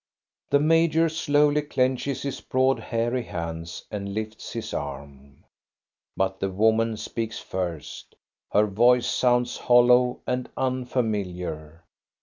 The major slowly clenches his broad, hairy hands, and lifts his arm. But the woman speaks first. Her voice sounds hollow and unfamiliar.